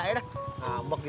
nayaknya sih saya belum bayar